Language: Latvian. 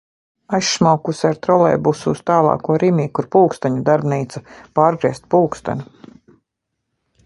Aizšmaukusi ar trolejbusu uz tālāko Rimi, kur pulksteņu darbnīca, pārgriezt pulksteni.